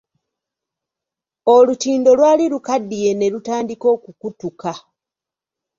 Olutindo lwali lukaddiye ne lutandiika okukutuka.